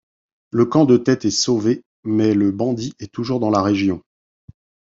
Le camp de tête est sauvé, mais le bandit est toujours dans la région.